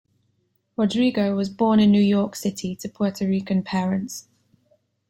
Rodrigo was born in New York City to Puerto Rican parents.